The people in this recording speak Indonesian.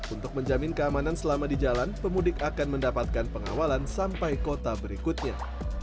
untuk menjamin keamanan selama di jalan pemudik akan mendapatkan pengawalan sampai kota berikutnya